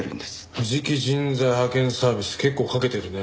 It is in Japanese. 藤木人材派遣サービス結構かけてるね。